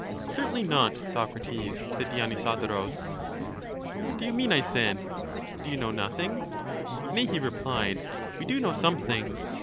Certainly not, Socrates, said Dionysodorus. What do you mean, I said; do you know nothing? Nay, he repKed, we do know something.